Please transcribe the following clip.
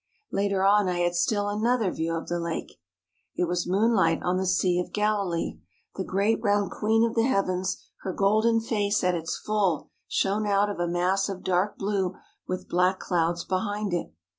Later on I had still another view of the lake. It was moonlight on the Sea of Galilee. The great round queen of the heavens, her golden face at its full, shone out of a mass of dark blue with black clouds behind it.